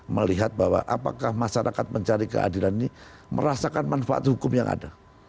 melihat bahwa apakah masyarakat mencari keadilan ini merasakan manfaat hukum yang ada